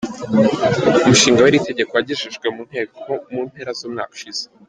Umushinga w’iri tegeko wagejejwe mu Nteko mu mpera z’umwaka ushize.